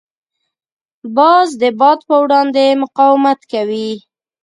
باز د باد په وړاندې مقاومت کوي